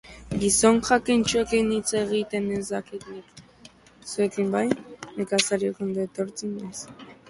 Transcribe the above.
Gizon jakintsuekin hitz egiten ez dakit nik; zuekin bai, nekazariok, ondo etortzen naiz.